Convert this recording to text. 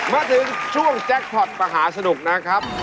มาถึงช่วงแจ็คพอร์ตมหาสนุกนะครับ